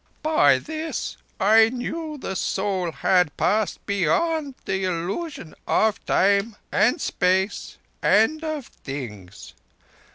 By this I knew the Soul had passed beyond the illusion of Time and Space and of Things.